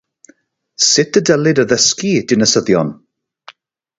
Sut y dylid addysgu dinasyddion?